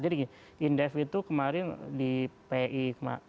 jadi indef itu kemarin di pi dua ribu dua puluh